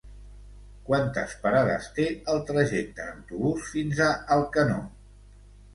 Quantes parades té el trajecte en autobús fins a Alcanó?